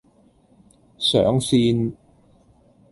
上線